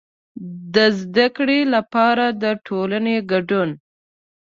د زده کړې لپاره د ټولنې کډون.